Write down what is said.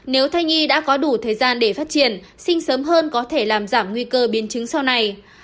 nếu thai nhi đã có đủ thời gian để phát triển sinh sớm hơn có thể làm giảm nguy cơ biến chứng sau này